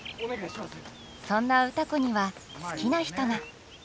そんな歌子には好きな人が！